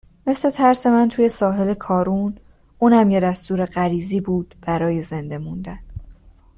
مثل ترس من توی ساحل کارون. اونم یه دستور غریزی بود برای زنده موندن